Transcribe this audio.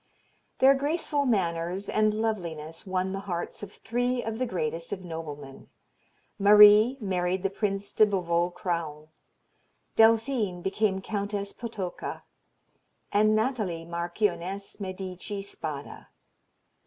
Their graceful manners and loveliness won the hearts of three of the greatest of noblemen. Marie married the Prince de Beauvau Craon; Delphine became Countess Potocka, and Nathalie, Marchioness Medici Spada.